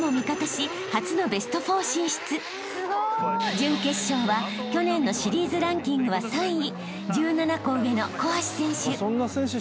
［準決勝は去年のシリーズランキングは３位１７個上の小橋選手］